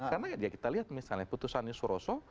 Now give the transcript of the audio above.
karena ya kita lihat misalnya putusan suroso